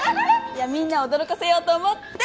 みんなを驚かせようと思って！